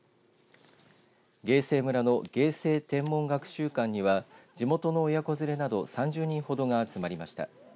芸西村の芸西天文学習館には地元の親子連れなど３０人ほどが集まりました。